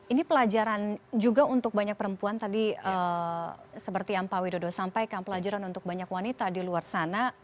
ini pelajaran juga untuk banyak perempuan tadi seperti yang pak widodo sampaikan pelajaran untuk banyak wanita di luar sana